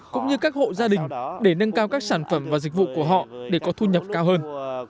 cũng như các hộ gia đình để nâng cao các sản phẩm và dịch vụ của họ để có thu nhập cao hơn